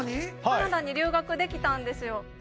カナダに留学できたんですよ